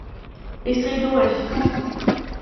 Ich dreh durch!